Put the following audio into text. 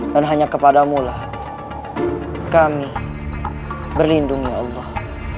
dan hanya kepadamulah kami berlindung ya allah